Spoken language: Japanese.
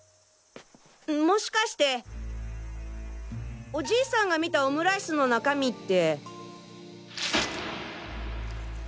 もしかしてお爺さんが見たオムライスの中身って。